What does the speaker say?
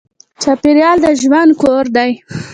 چاپېریال د ژوند کور دی.